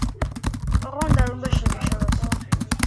ოღონდ არ უნდა შეგვეშალოს.